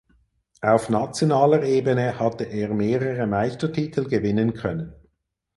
Auf nationaler Ebene hatte er mehrere Meistertitel gewinnen können.